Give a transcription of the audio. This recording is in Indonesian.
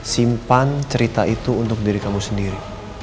simpan cerita itu untuk diri kamu sendiri